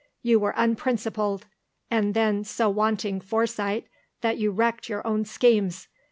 "You were unprincipled, and then so wanting foresight that you wrecked your own schemes.